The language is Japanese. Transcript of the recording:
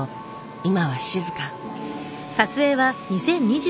今は静か。